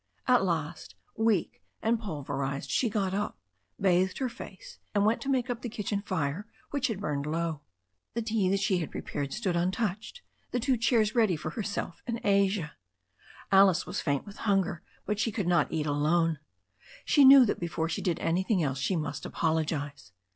At last, weak and pulver ized, she got up, bathed her face, and went to make up the kitchen fire which had burned low. The tea that she had pre pared stood untouched, the two chairs ready for herself and Asia. Alice was faint with hunger, but she could not eat alone. She knew that before she did an)rthing else she must apologize.